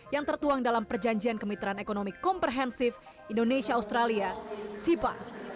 yang tertuang dalam perjanjian kemitraan ekonomi komprehensif indonesia australia sipa